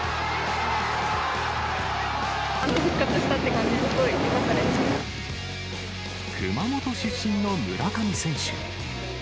復活したって感じでよかった熊本出身の村上選手。